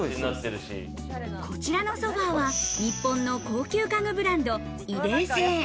こちらのソファーは日本の高級家具ブランド、イデー製。